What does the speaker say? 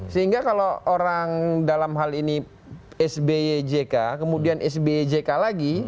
sehingga kalau orang dalam hal ini sby jk kemudian sby jk lagi